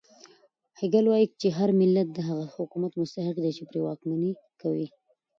هګل وایي چې هر ملت د هغه حکومت مستحق دی چې پرې واکمني کوي.